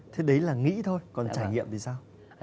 thế đấy là nghĩ thôi còn trải nghiệm vì sao